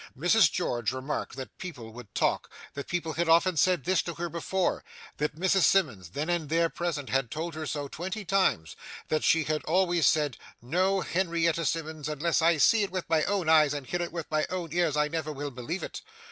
Mrs George remarked that people would talk, that people had often said this to her before, that Mrs Simmons then and there present had told her so twenty times, that she had always said, 'No, Henrietta Simmons, unless I see it with my own eyes and hear it with my own ears, I never will believe it.